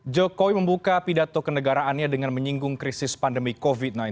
jokowi membuka pidato kenegaraannya dengan menyinggung krisis pandemi covid sembilan belas